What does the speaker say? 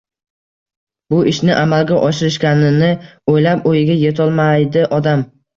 Bu ishni amalga oshirishganini oʻylab oʻyiga yetolmaydi odam.